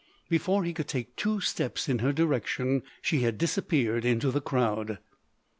Before he could take two steps in her direction she had disappeared in the crowd.